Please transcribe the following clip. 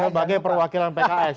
sebagai perwakilan pks